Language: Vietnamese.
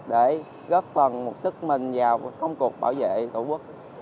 để góp phần một sức mình vào công cuộc bảo vệ tổ quốc